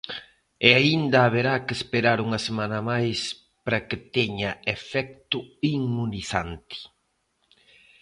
E aínda haberá que esperar unha semana máis para que teña efecto inmunizante.